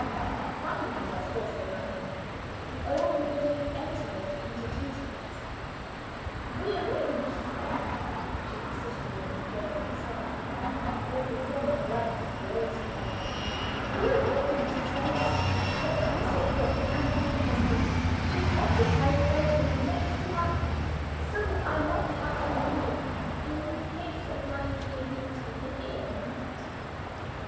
Finding that I still said nothing, the old lady entered into details: 'We arranged, sir,' (she persisted in calling me 'sir,' with the formal politeness of the old school) 'we arranged, sir, that Mrs. Rook and her husband should occupy the bedroom next to mine, so that I might have her near me in case of my being taken ill in the night.